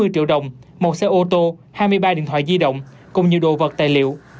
năm trăm tám mươi triệu đồng một xe ô tô hai mươi ba điện thoại di động cùng nhiều đồ vật tài liệu